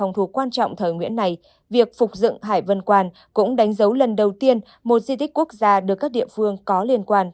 đặc thù quan trọng thời nguyễn này việc phục dựng hải vân quan cũng đánh dấu lần đầu tiên một di tích quốc gia được các địa phương có liên quan